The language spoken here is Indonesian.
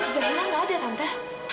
zahira tidak ada tante